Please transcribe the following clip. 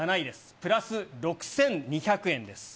プラス６２００円です。